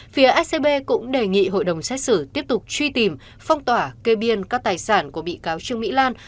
phía scb cũng đề nghị hội đồng xét xử tiếp tục truy tìm phong tỏa kê biên các tài sản của bị cáo trương mỹ lan